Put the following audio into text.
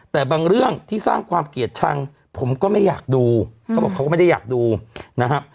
แต่บางเรื่องที่สร้างความเกลียดชังผมก็ไม่อยากดูเขาบอกเขาก็ไม่ได้อยากดูนะครับ